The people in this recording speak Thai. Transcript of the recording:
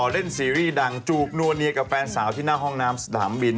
เล่นซีรีส์ดังจูบนัวเนียกับแฟนสาวที่หน้าห้องน้ำสนามบิน